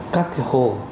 các cái hồ